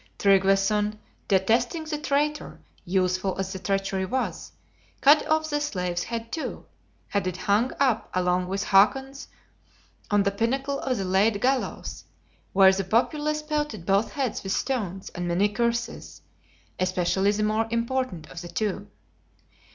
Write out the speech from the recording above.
Tryggveson, detesting the traitor, useful as the treachery was, cut off the slave's head too, had it hung up along with Hakon's on the pinnacle of the Lade Gallows, where the populace pelted both heads with stones and many curses, especially the more important of the two.